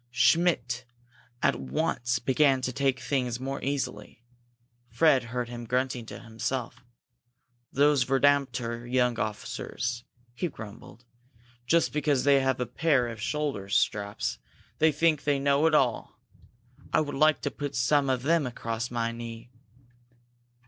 Schmidt at once began to take things more easily. Fred heard him grunting to himself. "Those verdamter young officers!" he grumbled. "Just because they have a pair of shoulder straps, they think they know it all! I would like to put some of them across my knee!"